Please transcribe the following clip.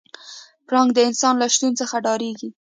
پړانګ د انسان له شتون څخه ډارېږي.